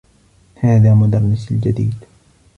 هذا مدرّسي الجديد.